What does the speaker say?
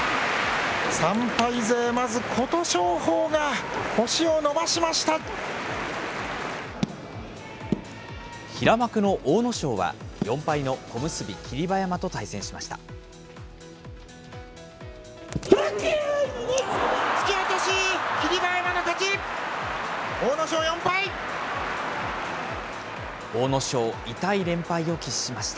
３敗勢まず、平幕の阿武咲は、４敗の小結・霧馬山と対戦しました。